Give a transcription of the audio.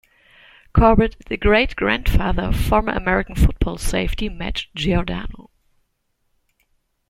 Corbett is the great-grandfather of former American football safety Matt Giordano.